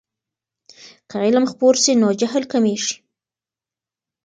که علم خپور سي نو جهل کمېږي.